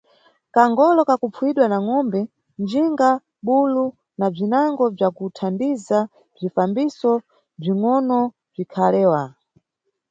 Kangolo ka kupfuwidwa na ngʼombe, njinga, bulu, na bzinango bzakuthandiza bzifambiso bzingʼono bzikhalewa.